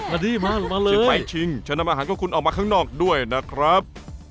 จะไปชิงจะนำอาหารของคุณออกมาข้างนอกด้วยนะครับ